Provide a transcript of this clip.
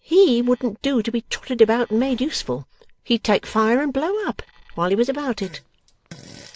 HE wouldn't do to be trotted about and made useful. He'd take fire and blow up while he was about it.